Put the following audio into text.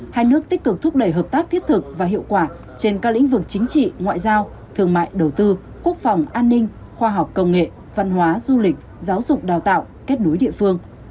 hai nước tích cực thúc đẩy hợp tác thiết thực và hiệu quả trên các lĩnh vực chính trị ngoại giao thương mại đầu tư quốc phòng an ninh khoa học công nghệ văn hóa du lịch giáo dục đào tạo kết nối địa phương